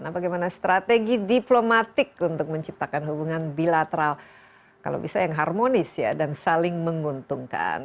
nah bagaimana strategi diplomatik untuk menciptakan hubungan bilateral kalau bisa yang harmonis ya dan saling menguntungkan